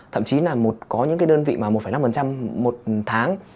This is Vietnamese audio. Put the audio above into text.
thậm chí là có những cái đơn vị mà một năm một tháng